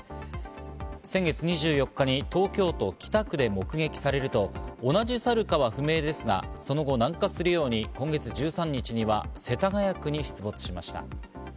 先月２４日に東京都北区で目撃されると同じサルかは不明ですが、その後、南下するように今月１３日には世田谷区に出没しました。